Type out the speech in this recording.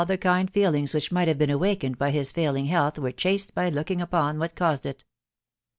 thsJuad feelingsiwhfch might have been awakened by his failings health were ehasosV h$ looking upon what.canssd.ilu.